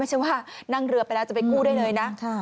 ไม่ใช่ว่านั่งเรือไปแล้วจะไปกู้ได้เลยนะ